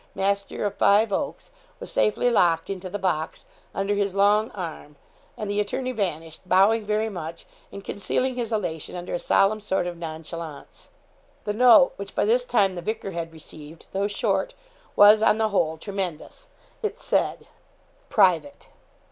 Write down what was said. master of Five Oaks, was safely locked into the box, under his long arm, and the attorney vanished, bowing very much, and concealing his elation under a solemn sort of nonchalance. The note, which by this time the vicar had received, though short, was, on the whole, tremendous. It said: '(_Private.